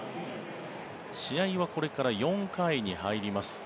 試合はこれから４回に入ります。